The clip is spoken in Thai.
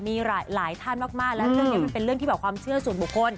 มีหลายท่านมากและเรื่องนี้มันเป็นเรื่องที่แบบความเชื่อส่วนบุคคล